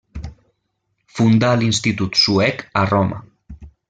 Fundà l'Institut Suec a Roma.